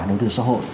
đầu tư xã hội